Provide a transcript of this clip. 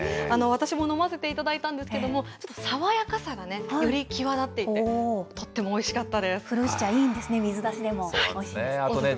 私も飲ませていただいたんですけども、ちょっと爽やかさがより際立って、とってもおいしかったで古内茶、いいんですね、水出しでも、おいしいんですね。